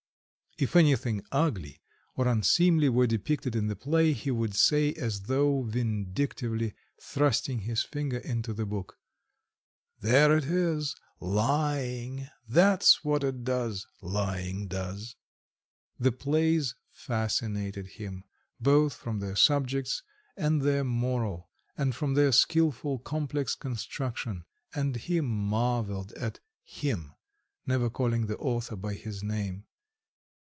If anything ugly or unseemly were depicted in the play he would say as though vindictively, thrusting his finger into the book: "There it is, lying! That's what it does, lying does." The plays fascinated him, both from their subjects and their moral, and from their skilful, complex construction, and he marvelled at "him," never calling the author by his name.